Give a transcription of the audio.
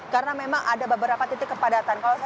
karena memang ada beberapa titik kepadatan